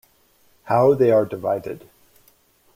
How they are divided.